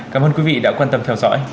cảm ơn quý vị đã quan tâm theo dõi